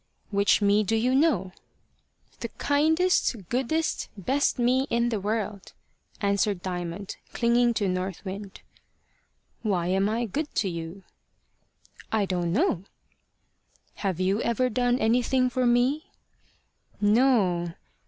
"Which me do you know?" "The kindest, goodest, best me in the world," answered Diamond, clinging to North Wind. "Why am I good to you?" "I don't know." "Have you ever done anything for me?" "No."